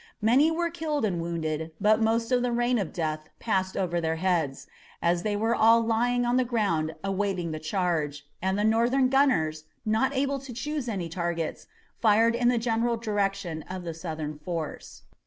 Many were killed and wounded, but most of the rain of death passed over their heads, as they were all lying on the ground awaiting the charge, and the Northern gunners, not able to choose any targets, fired in the general direction of the Southern force.